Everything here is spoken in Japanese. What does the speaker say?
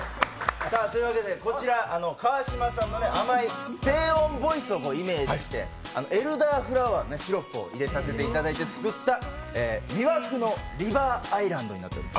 こちら、川島さんの甘い低音ボイスをイメージしてエルダーフラワーのシロップを入れさせていただいて作った魅惑のリバーアイランドになっております。